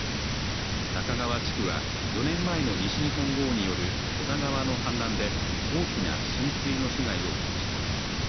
中川地区は４年前の西日本豪雨による小田川の氾濫で大きな浸水の被害を受けました。